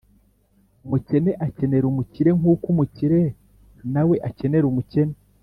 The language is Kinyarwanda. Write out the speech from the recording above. umukene akenera umukire nk’uko umukire na we akenera umukene.